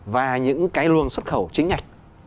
và những cái luồng xuất khẩu chính ạch